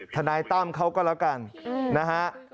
ทนายตั้มเขาก็แล้วกันนะฮะ